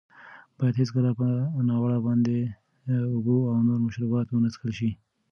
باید هېڅکله په ولاړه باندې اوبه او نور مشروبات ونه څښل شي.